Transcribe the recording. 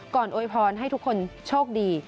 ก่อนโอ๊ยพรให้ทุกคนโชคดี